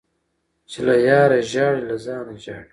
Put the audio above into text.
- چي له یاره ژاړي له ځانه ژاړي.